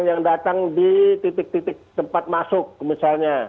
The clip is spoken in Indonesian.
yang datang di titik titik tempat masuk misalnya